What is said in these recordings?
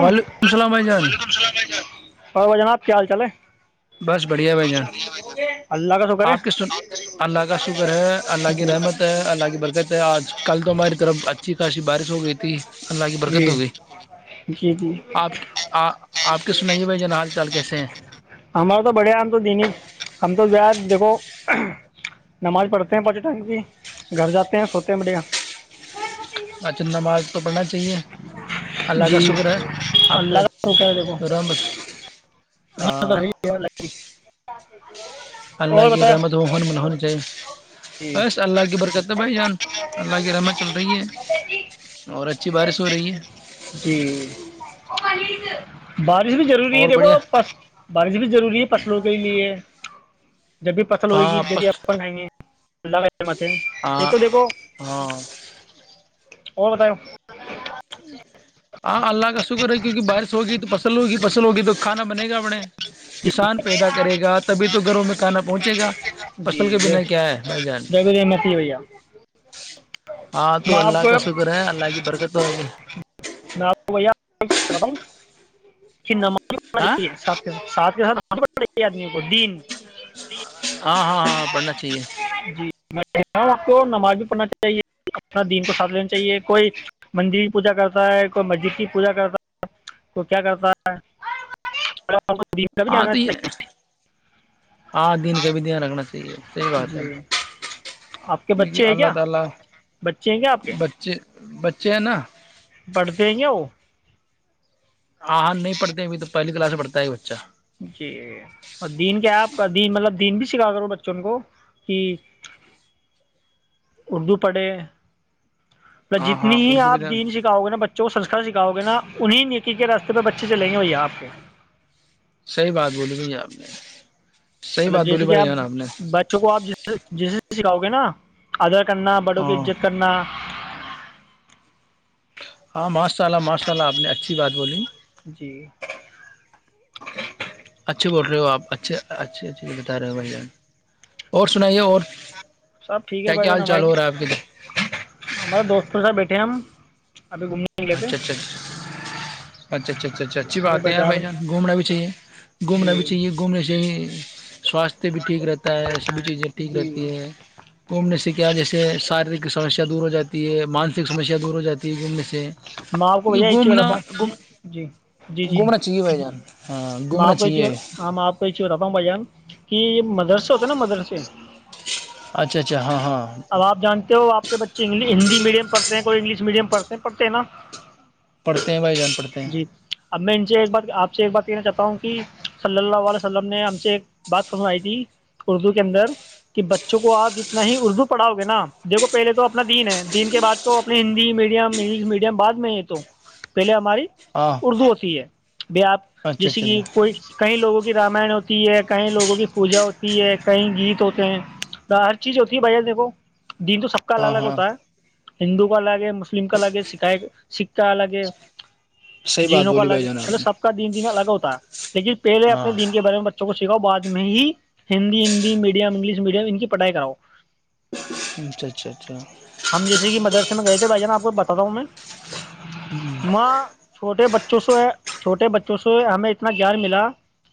وعلیکم السلام بھائی جان وعلیکم الل جناب کیا حال چال ہے [unintelligible] بس بڑھیا بھائی جان اللہ کا شکر آپ کے ہے سن اللہ کا شکر ہے اللہ کی جی رحمت ہے اللہ کی برکت ہے آج کل تو ہماری طرف اچھی خاصی بارش ہو گئی تھی اللہ کی برکت جی ہو گئی جی جی آپ آ آپ کی سنائیے بھائی جنا حال چال کیسے ہیں [unintelligible] ہمارا تو بڑھیا آ ہم تو دنیش ہم [unintelligible] یار دیکھو نماز پڑھتے ہیں پاکستان کی گھر جاتے ہیں سوتے اچند نماز تو پڑھنا چاہیے اللہ جی کا شکر ہے آپ اللہ پہ کا رک ہے دیکھو رحمت ہاں ہی لگی [inaudible] [unintelligible] ا [inaudible] اللہ کی رحمت ہو ہون من ہونی چاہیے جی بس اللہ کی برکت بھائی جان اللہ کی رحمت چل رہی ہے اور اچھی بارش ہو رہی ہے جی بارش بھی ضروری ہے اور دیکھو بڑھیا آپ پ بارش بھی ضروری ہے پصلوں کے لیے ہے جب بھی پصل ہوئے گی ہاں جبی بس آپ بنھائی گے اللہ خ [inaudible] متے ایک ہاں تو دیکھو ہاں [unintelligible] اور بتا ہاں اللہ کا س شکر ہے کیکہ بارش ہوگی تو فل ہوگی فصل ہوگی تو کھانا بنے گا بڑے جی کسان پیدا کرے گا تبھی تو گھروں میں کانا پہنچے گا فصل کے جی جی بنا کیا ہے بھائی جان جے بھی نعمت ہی ہے بھیا ہاں تو اللہ کا شکر ہے اللہ کی برکت ہوگی ن بھیا [inaudible] ہاں [unintelligible] [inaudible] سات کے سات ساتھ کے ساتھ [unintelligible] آدمی کو دن [unintelligible] ہاں ہاں ہاں پڑھنا چاہیے [unintelligible] جی کو نماز بھی پڑھنا چاہیے اپنا دین کو ساتھ لینا چاہیے کوئی مندر کی پوجا کرتا ہے کوئی مسجد کی [unintelligible] پوجا کرتا ہے کو کیا کرتا ہے آپ کو دین کا بھی کیا کرنا [unintelligible] چاہیے جی آپ کے بچے ہیں چین کیا بچے ہیں کیا آپ کے [unintelligible] پڑھتے ہیں کیا وہ [unintelligible] ہاں نہیں پڑتے ابھی تو پہلی کلاس میں پڑھتا ہے بچہ جی اور دین کیا آپ دین مطلب دین بھی سکھا کروں بچوں کو کہ [unintelligible] اردو پاڑے [unintelligible] ہاں جتنی ہاں ہی اردو بھی آپ دھیان، دین سکھاؤ گے نا بچوں کو سنسکار سکھاؤ گے نا انہیں ن کی کیا راستے پہ بچے چلے گے ہوئی آپ کے صحیح بات بولی بھائی آپ نے صحیح مطلب بات بولی جیسے کہ آپ جان بچوں کو آپ جس جسے سے سکھاؤ گے نا اد [unintelligible] کرنا بڑوں کی ہاں عزت کرنا [unintelligible] ہاں ماشاء اللہ ماشاء اللہ آپ نے اچھی بات بولی جی اچھے بول رہے ہو آپ اچھے اچھے اچے بتا رہے ہو بھائی جان اور سنائیے اور سب ٹھیک ہے کیا بھائی کیا جان حال ہمارے چال ہو رہا ہے آپ کے ادھر ہمارے دوستوں ساتھ بیٹھے پم [unintelligible] اچھا اچھا اچھا اچھا اچھا اچھا اچھا اچھی ابھی بات ہے یار بازار بھائی میں جان گھومنا بھی چاہیے گھومنا بھی جی چاہیے گھومنا چاہیے سواستھ بھی ٹھیک رہتا ہے سبھی چیزیں ٹھیک جی رہتی ہے گھومنے سے کیا جیسے شاری سسیا دور ہو جاتی ہے مانسک سمسیا دور ہو جاتی ہے گومنے سے میں آپ کو کی بھیا ایک چیز بتاتا گومنا گ ہوں گھومنا چاہیے بائی جان ہاں م گھومنا پچ چاہیے آ م پچی رتم بیاں کہ یہ مدرسے ہوتے نا مدرسے اچھا اچھا ہاں ہاں اب آپ جانتے ہو آپ کے بچے انگ ہندی میڈیم پڑھتے ہیں کوئی انگلش میڈیم پڑھتے ہیں پڑتے ہیں نا پڑھتے ہیں [unintelligible] ہیں جی اب میں ان سے ایک بات آپ سے ایک بات [unintelligible] کہنا چاہتا ہوں کہ صلی اللہ علیہ وسلم نے ہم سے ایک بات سنوائی تھی اردو کے اندر کہ بچوں کو آپ اتنا ہی اردو پڑھاؤ گے نا دیکھو پہلے تو اپنا دین ہے دین کے بعد کو اپنے ہندی میڈیم انگلش میڈیم بعد میں یہ تو پہلے ہماری ہاں اردو ہوتی ہے بھی آپ اچھا جیسے اچھا کہ اچھا کوئی کئی لوگوں کے رامان ہوتی [inaudible] ہوتی ہے کہیں لوگوں کی پوجا ہوتی ہے کہیں گیت ہوتے ہیں ہر چیز ہوتی ہے بھایی جان دیکھو دین تو سب کا الگ ہاں الگ ہاں ہوتا ہے ہندو کا الگ ہے مسلم کا الگ ہے سکھ سکھ کا الگ ہے صحیح بات جنوں کا بولی بھائی الگ جان آپ چلو نے سب کا دین دین الگ ہوتا ہے لیکن پہلے اپنے ہاں دین کے بارے میں بچوں کو بعد میں ہی Hindi Hindi medium English medium ان کی پڑھائی کراؤ اچھا اچھا اچھا ہم جیسے کہ مدرسے میں گئے تھے بھائی جان آپ کو بتاتا ہوں میں ہ [unintelligible] بچوں سے ہے چھٹے بچوں سے ہمیں اتنا گیان ملا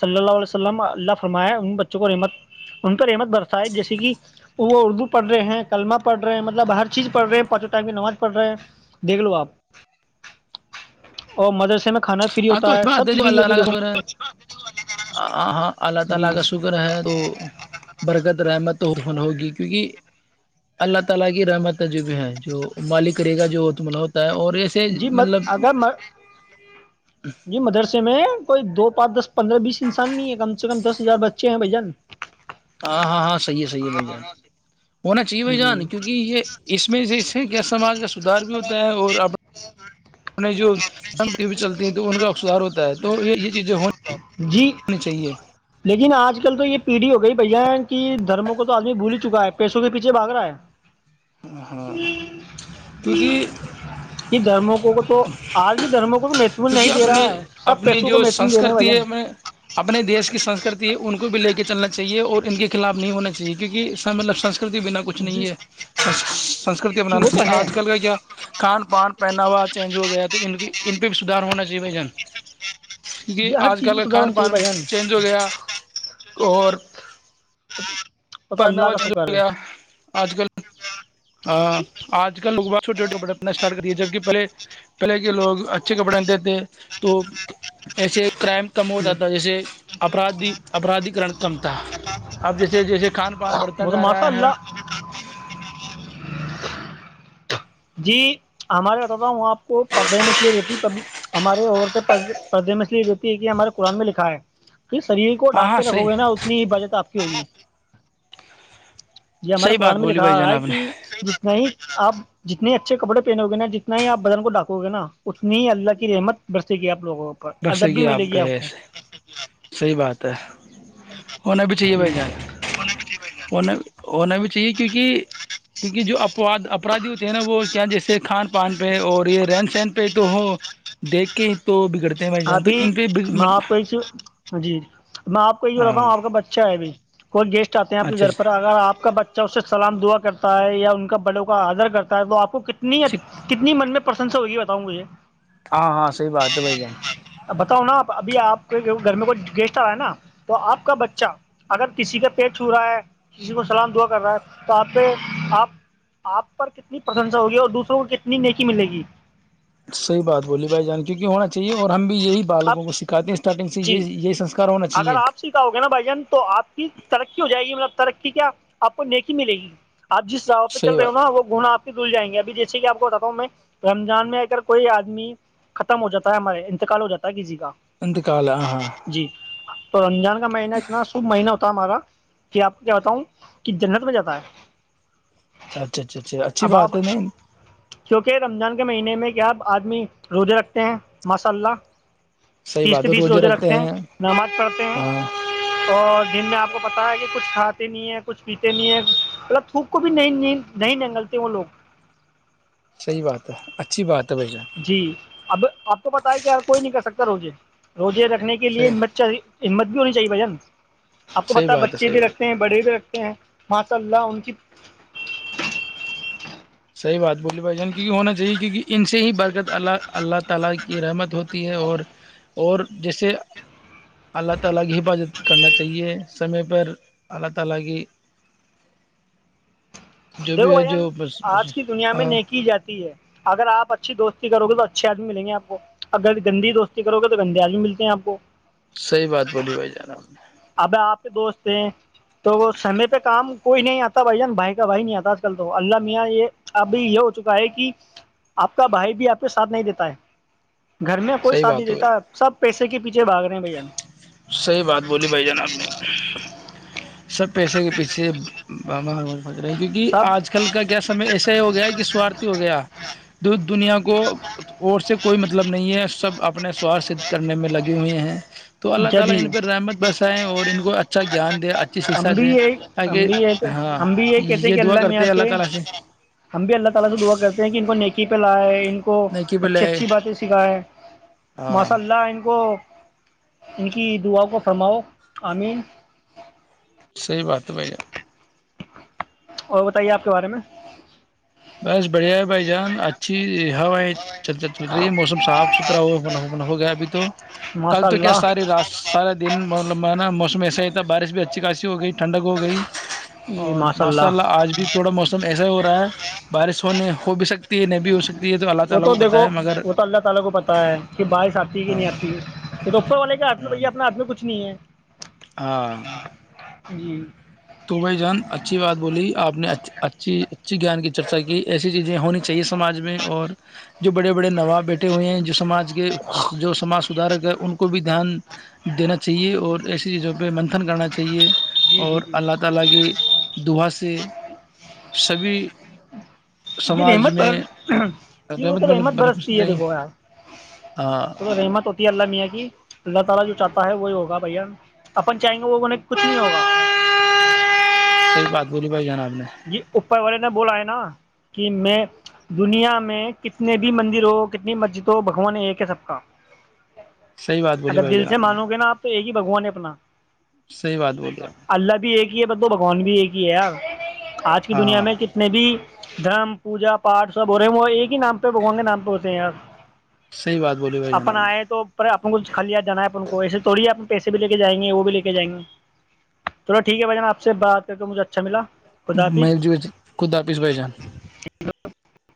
صلی اللہ علیہ و اللہ فرماائے ان بچوں کو رحت ان کو رحمت برسائے جیسے کہ وہ اردو پڑھ رہے ہیں کلمہ پڑھ رہے ہیں مطلب ہر چیز پڑھ رہے ہیں پانچوائم کی نماز پڑھ رہے ہیں دیکھ لو آپ اور مدرسے میں ت [unintelligible] جی [inaudible] [unintelligible] [unintelligible] م ہوتا ہے اور ایسے جی مطلب اگر [unintelligible] جی مدرسے میں کوئی دو پانچ دس پندرہ بیس انسان نہیں ہے کم سے کم دس ہزار بچے ہیں بھایی جان ہاں ہاں ہاں صحیح ہے صحیح ہے بھائی جان ہونا چاہیے بھائی جی جان کیونکہ یہ اس میں جے کیا سماج کا سدھار بھی ہوتا ہے اور اپنے جو سم بھی چلتی ہیں تو ان کا سدھار ہوتا ہے تو یہ [inaudible] جی جو ہو جی ہونی چاہیے [inaudible] لیکن آج کل تو یہ پیڑھی ہو گئی بھیا کہ دھرموں کو تو آدمی بھول ہی چکا ہے پیسوں کے پیچھے بھگ رہا ہے ہاں کیونکہ یہ دھرموں کو کو تو آج بھی دھرموں کو تو متون نہیں کیونکہ دے اپنی رہا ہے سب اپنی پیسوں کو جو مہتن دے رہے بھجن کرتی ہے ان کو بھی لے کے چلنا چاہیے اور ان کے خلاف نہیں ہونا چاہیے کیونکہ س لفسن سے ر کے بنا کچھ جی نہیں ہے سنسکرتی جی وہ اپنانانی تھی تو ہے آج کل کا کیا کان پ [inaudible] پہنا ہوا چینج ہو گیا تو ان پہ بھی سدھار ہونا چاہیے بھایی جان کیونکہ یہ ہر آج چیز کل کو کھان سدھارنا چاہیے پان بھائی جان چینج ہو گیا اور وہ تو پرنا اللہ وہا کا چنگا شکر ہے چلیا آج کل [inaudible] آج کل لوگ بت چھوٹے چھوٹے بٹتنا اسٹارٹ کریے جبکہ پہلے پہلے کے لوگ اچھے کپڑے آنتے تھے تو ایسے کرائم [inaudible] کم ہوتا تھا جیسےاد آرادیکن کم تھا اب جیسے جیسے کھان پان بڑھتا وہ تو جا رہا ماشاء ہے اللہ [unintelligible] [inaudible] جی ہمارے بتا ہوں آپ کو پردے میں اس لیے رہتی ہمارے سے پردے میں اس لیے رہتی ہے کہ ہمارے قرآن میں لکھا ہے کہ شریر کو ہاں ڈھک ہاں کے صحیح رکھو گے نا اتنی ہی بت آپ کی ہوگی یہ ہمارے صحیح بات قرآن میں بولی لکھا بھائی رہا جان ہے آپ نے کہ جت میں ہی اب جتنے اچھے کپڑے پہنو گے نا جتنا آپ بدن کو ڈاکو گے نا اتنی ہی اللہ کی رحمت برسے گی آپ لوگوں پر ادب بھی بسکے آپ ملے گی بسے کو صحیح بات ہے ہونا بھی چاہیے بھائی جی جان ہونا ہونا بھی چاہیے کیونکہ کیونکہ جو اپاد اپرادھی ہوتے ہیں نا وہ کیا جیسے کھان پان پہ اور یہ رہن سہن پہ تو ہو دیکھ کے تو بگڑ ابھی ماںپس جیپ کوئی ہو رہتا تھا ہاں آ کا بچہ ہے بھی کوئی جیس چاہتے ہیں اپنے اچھا گھر پر اچھا اگر آپ کا بچہ اس سے سلام دعا کرتا ہے یا ان کا بڑوں کا آدر کرتا ہے تو آپ کتنی کتنی مننے پ پرسنس ہوگی بتاؤں مجھے ہاں ہاں سی بات ہے بائی جان بتاؤ نا آپ ابھی آپ کے گھر میں کوئی گیسٹ آ رہا ہے نا تو آپ کا بچہ اگر کسی کا پیٹ چھو رہا ہے کسی کو سلام دعا کر رہا ہے تو آپ پہ آپ آپ پر کتنی پرشنسا ہوگی اور دوسروں کو کتنی نیکی ملے گی صحی بات بولی بھائی جان کیوں کی ہونا چاہیے اور ہم بھی یہی آپ بالکوں کو سکھاتے ہیں اسٹارٹنگ سے یہ جی یہی سسکار اگر آپ سکھاؤ گے نا بھائی جان تو آپ کی ترقی ہو جائے گی مطلب ترقی کیا آپ کو نیکی ملے گی آپ جس جگؤ پہ چ صحیح رہے ہو بات نا وہ گنا آ دھل جائیں گے ابھی جیسے کہ آپ کو بتاتا ہوں میں رمضان میں اگر کوئی آدمی ختم ہو جاتا ہے ہمارے انتقال ہو جاتا ہے ک جی انند کاال آ ہاں تو رنجن مہینتنا س شب مہین ہو ہمارا کہ آپ کو کیا بتاؤں کہ جنت میں جاتا ہے اچھا اچھا اچھا اچھا اچھی اب بات آپ ہے نہیں کیونکہ رمضان کے مہینے میں کیا آدمی روزے رکھتے ہیں ماشاء اللہ تیس سے بییس روزے رکھتے ہیں نماز پڑھتے ہیں ہاں اور جن میں آپ کو پتا ہے کہ کچھ کھاتے نہیں ہے کچھ پیتے نہیں ہے مطلب تھوک کو بھی ن نئی جینگل تو وہ لوگ صحیح بات ہے اچھی بات ہے بھائی جان جی اب آپ کو پتا ہے کہ کوئی نہیں کر سکتا رو جے روجے ر کرنے کے لیے صحیح مچا ہت بھی ہونی چاہیے بھائین [unintelligible] آپ کو صحیح پتا بات ہے بچے صحیح بھی بات رکھتے ہے ہیں بڑے بھی رکھتے ہیں ماں اللہ ان کی [unintelligible] [inaudible] جو دیکھو بھی ہے بھائی جان جو بس آج کی دنیا میں ہاں نہیں کی جاتی ہے اگر آپ اچھی دوست [unintelligible] کرو گے تو اچھے آدمی مل گے آپ کو اگر گندی دوستی کروے تو گندے آدمی ملتے ہیں آپ کو صحی بات بولی بھائی جان آپ نے اب آپ کے دوست ہیں تو سمے پہ کام کوئی نہیں آتا بھائی جان بھائی کا بھائی نہیں آتا آج کل تو اللہ میاں یہ اب یہ ہو چکا ہے کہ آپ کا بھائی بھی آپ کے ساتھ نہیں دیتا ہے گھر میں کوئی شادی دیتا سب [unintelligible] پیسے کی صحی بات بولی بھائی جان آپ نے سب پیسے کے پیچھے رہے کیونکہ سب آج کل کا کیا سمے ایسا ہی ہو گیا ہے کہ سوارتھی ہو گیا دودھ [unintelligible] دنیا کو اور سے کوئی مطلب نہیں ہے سب آپ اپنے سوار سھت کرنے میں لگے ہوئے ہیں تو اللہ تعالی ان جدید پہ رحمت برسائے اور ان کو اچھا گیان دے اچھی ہم شکشا بھی دے یہ ہم تاکہ بھی یہ ہاں ہم بھی یہی کہتے ہیں یہ کہ دعا اللہ کرتے میاں ہیں سے تعالی ہم بھی اللہ تعالی سے دعا کرتے ہیں کہ ان کو نیکی [unintelligible] کو نہیں کہ اچھی بولے اچھی باتیں سکھائے ہاں ماشاء اللہ ان کو ان کی دعا کو فرماؤ آمین صحیح بات ہے بھائ جان اور بتائیے آپ کے بارے میں بس بڑھیا ہے بھائی جان اچھی ہواائیں چل رہی ہے موسم صاف ستھرا ہو ہو گیا ابھی تو کل ماشاء تو کیا اللہ ساری رات سارا دن مب مانا موسم ایسا ہی تھا بارش بھی اچھی خاصی ہو گئی ٹھڈک ہو گئی اور ماشاء اللہ آج بھی تھوڑا موسم ایسا ہو رہا ہے [inaudible] بارش ہونے ہو بھی سکتی ہے نہیں بھی ہو سک وہ تو دیکھو وہ تو دیکھو اللہ تعالی کو پتہ ہے کہ بارش اتی ہے کہ ہاں نہیں اتی یہ تو اوپر والے کے ہاتھ میں ہیں ہاں بھایا اپنے ہاتھ میں کچھ بھی نہیں ہاں ہے جی [inaudible] تو بھائی جان اچھی بات بولی آپ نےاچھی اچ گیان کی چرچا کی ایسی چیزیں ہونی چاہیے سماج میں اور جو بڑے بڑے نواب بیٹے ہوئے ہیں جو سماج [unintelligible] کہ جو سماج سدارے گے ان کو بھی دھیان دینا چاہیے اور ایسی چیزوں پہ منتھن کرنا چاہیے جی جی جی لگے دہا سے سبھی [unintelligible] سماج میں رحمت ہاں ہے وہی ہوگا بھیا اپن چاہیں گے وہ ب کچھ نہیں ہوگا صحیح بات بولی بھائی جان آپ نے جی اوپر والے نے بولا ہے نا [unintelligible] میں دنیا میں کتنے بھی مندر ہو کتنی مسجد ہو بگوان ایک ہے سب کا صحیح بات بولی اگر بھائی دل جان سے آپ نے مانو گے نا آپ تو ایک ہی بگوان ہے اپنا صحیح بات بولی آپ نے اللہ بھی ایک ہی ہے ب تو بگوان بھی ایک ہی ہے یار آج کی دنیا ہاں میں کتنے بھی دھرم پوجا پاٹ سب ہو رہے ہیں وہ ایک ہی نام پہ بگوان کے نام پہ ہوتے ہیں آپ صحیح بات بولی بھائی جان اپن آپ آئے نے تو پر اپن کو کھل لیا جانا ہے اپ کو [unintelligible] تو اییسے تھوڑی آپ پیسے بھی لے کے جائیں گے وہ بھی لے کے جائیں گے چو ٹھیک ہے بھائی جان آپ بات کر کے مجھے اچھا ملا خدا حافظ میل جی ب خود آپس بھائی جان ہ [unintelligible]